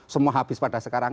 semua habis pada sekarang